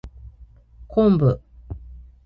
昆布